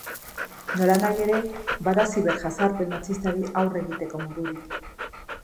Nolanahi ere, bada ziberjazarpen matxistari aurre egiteko modurik.